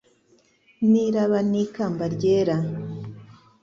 N' iraba n' ikamba ryera